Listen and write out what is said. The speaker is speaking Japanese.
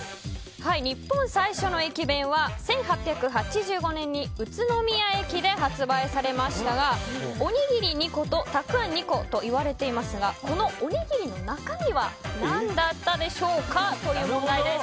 日本最初の駅弁は１８８５年に宇都宮駅で発売されましたがおにぎり２個とたくあん２個と言われていますがこのおにぎりの中身は何だったでしょうか。